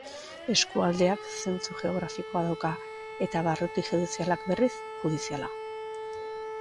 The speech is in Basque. Eskualdeak zentzu geografikoa dauka eta barruti judizialak, berriz, judiziala.